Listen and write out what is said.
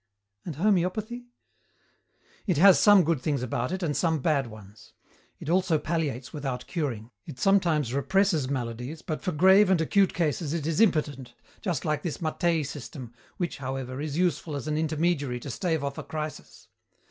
"And homeopathy?" "It has some good things about it and some bad ones. It also palliates without curing. It sometimes represses maladies, but for grave and acute cases it is impotent, just like this Mattei system, which, however, is useful as an intermediary to stave off a crisis.